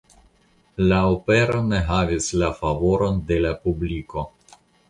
La opero ne havis la favoron de la publiko.